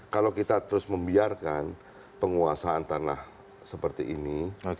kalau kita terus membiarkan penguasaan tanah seperti ini